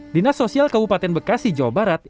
dinas sosial kabupaten bekasi jawa barat